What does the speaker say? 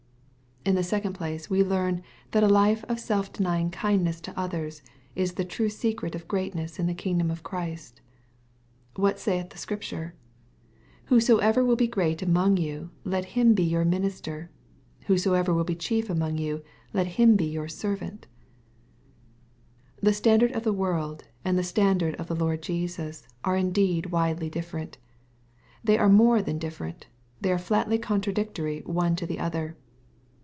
In the second place we learn, that a life of sdf ^nyinfi kindness toothers is the true secret of greatness in theking dam of Christ. What saith the Sciipture ?" Whosoevei will be great among you, let him be your minister :— Whosoever will be chief among you, let him be youi servant/' The standard of the world, and the standard of the Lord Jesus, are indeed widely different. They are more than different. They are flatly contradictory one to the other.